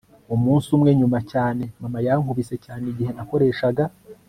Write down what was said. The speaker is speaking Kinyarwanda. umunsi umwe, nyuma cyane, mama yankubise cyane igihe nakoreshaga